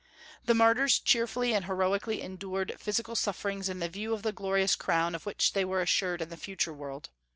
The martyrs cheerfully and heroically endured physical sufferings in view of the glorious crown of which they were assured in the future world.